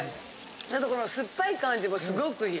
あとこの酸っぱい感じもすごく良い。